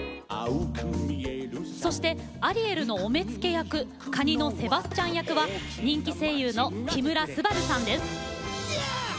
そして、アリエルのお目付け役カニのセバスチャン役は人気声優の木村昂さんです。